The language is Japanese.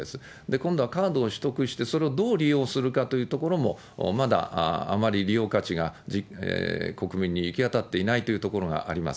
今度はカードを取得して、それをどう利用するかというところもまだあまり利用価値が国民に行き渡っていないというところがあります。